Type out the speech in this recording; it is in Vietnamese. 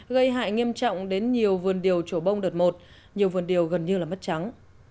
gây hại nghiêm trọng đến nhiều vườn điều chỗ bông đợt một nhiều vườn điều gần như mất trắng